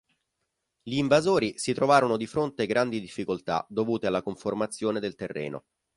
Gli invasori si trovarono di fronte grandi difficoltà dovute alla conformazione del terreno.